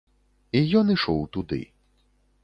І ён ішоў туды.